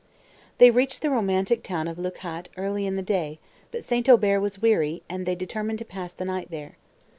They reached the romantic town of Leucate early in the day, but St. Aubert was weary, and they determined to pass the night there.